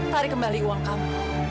tarik kembali uang kamu